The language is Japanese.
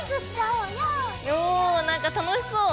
おなんか楽しそう！